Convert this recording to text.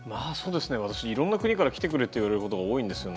私いろんな国から来てくれと言われることが多いんですよ